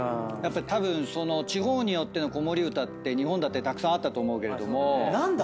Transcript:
たぶんその地方によっての子守唄って日本だってたくさんあったと思うけれども。